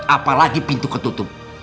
apalagi pintu ketutup